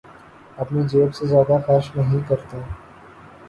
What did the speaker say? اپنی جیب سے زیادہ خرچ نہیں کرتا